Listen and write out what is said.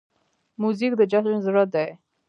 موزیک د جشن زړه دی.